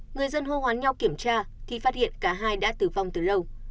người dân hô hoán nhau kiểm tra thì phát hiện cả hai đã tử vong từ lâu